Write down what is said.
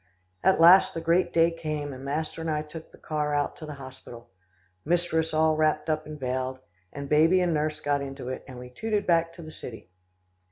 At last, the great day came, and master and I took the car out to the hospital. Mistress all wrapped up and veiled, and baby and nurse got into it, and we tooted back to the city.